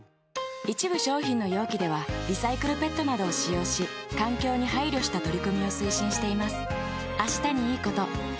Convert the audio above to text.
一部商品の容器ではリサイクルＰＥＴなどを使用し環境に配慮した取り組みを推進しています。